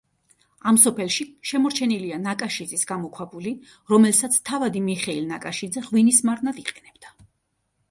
ამ სოფელში შემორჩენილია ნაკაშიძის გამოქვაბული, რომელსაც თავადი მიხეილ ნაკაშიძე ღვინის მარნად იყენებდა.